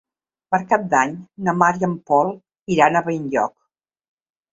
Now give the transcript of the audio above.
Per Cap d'Any na Mar i en Pol iran a Benlloc.